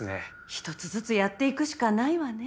一つずつやっていくしかないわね。